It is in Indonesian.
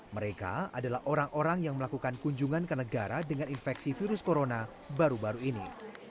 mereka adalah orang orang yang melakukan kunjungan ke negara dengan infeksi virus corona baru baru ini